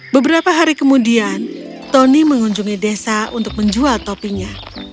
beberapa hari kemudian tony mengunjungi desa untuk menjual topinya